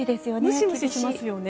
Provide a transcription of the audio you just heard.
ムシムシしますよね。